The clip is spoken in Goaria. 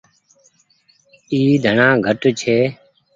اي ڌڻآ گھٽ ڇي۔